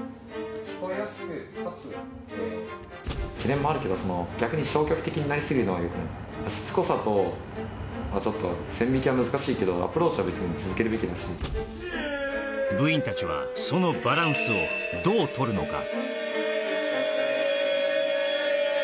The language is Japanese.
聞こえやすくかつ懸念もあるけどその逆に消極的になりすぎるのはよくないしつこさとまあちょっと線引きは難しいけどアプローチはべつに続けるべきだし部員達はそのバランスをどう取るのか？